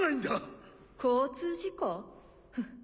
フッ。